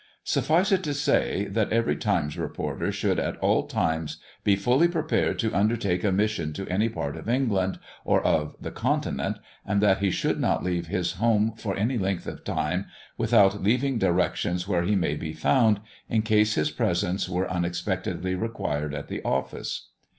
Suffice it to say, that every Times reporter should at all times be fully prepared to undertake a mission to any part of England or of the continent, and that he should not leave his home for any length of time without leaving directions where he may be found, in case his presence were unexpectedly required at the office.